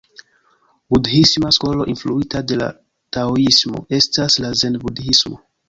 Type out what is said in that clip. Budhisma skolo influita de la taoismo estas la zen-budhismo.